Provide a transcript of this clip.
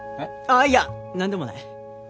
ああいや何でもない